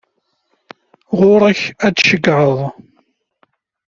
Ɣur-k ad teccgeḍ.